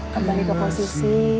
kembali ke posisi